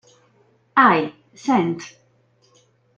I, sent.